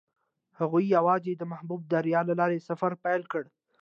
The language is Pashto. هغوی یوځای د محبوب دریا له لارې سفر پیل کړ.